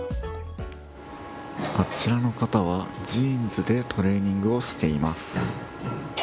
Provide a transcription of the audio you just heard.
あちらの方はジーンズでトレーニングをしています。